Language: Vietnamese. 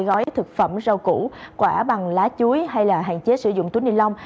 gói thực phẩm rau củ quả bằng lá chuối hay là hạn chế sử dụng túi ni lông